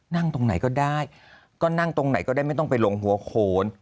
นั่งตรงไหนก็ได้ก็นั่งตรงไหนก็ได้ไม่ต้องไปลงหัวโขน